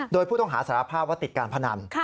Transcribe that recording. โดยผู้ต้องหาสารภาพว่าติดการพนัน